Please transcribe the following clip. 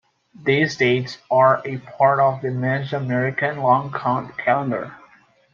These dates are a part of the Mesoamerican Long Count calendar.